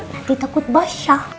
nanti takut basah